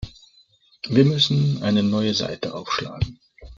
Wir müssen eine neue Seite aufschlagen.